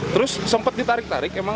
terus sempat ditarik tarik emang